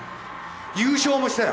優勝もしたよ。